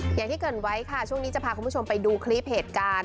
อย่างที่เกิดไว้ค่ะช่วงนี้จะพาคุณผู้ชมไปดูคลิปเหตุการณ์